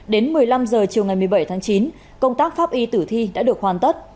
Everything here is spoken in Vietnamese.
đến một mươi năm h chiều ngày một mươi bảy tháng chín công tác pháp y tử thi đã được hoàn tất